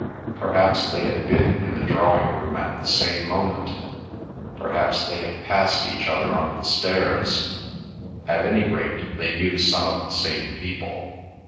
Perhaps they had been in the drawing room at the same moment; perhaps they had passed each other on the stairs; at any rate they knew some of the same people.